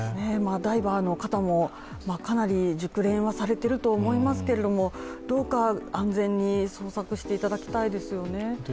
ダイバーの方もかなり熟練はされていると思いますけれども、どうか安全に捜索していただきたいですよね。